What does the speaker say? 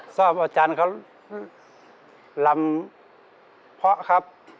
ชอบอาจารย์เขาลำเพาะครับ